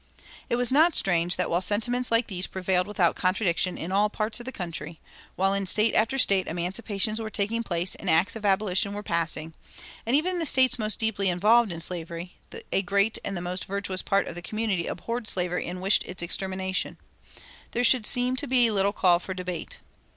It was not strange that while sentiments like these prevailed without contradiction in all parts of the country, while in State after State emancipations were taking place and acts of abolition were passing, and even in the States most deeply involved in slavery "a great, and the most virtuous, part of the community abhorred slavery and wished its extermination,"[270:1] there should seem to be little call for debate.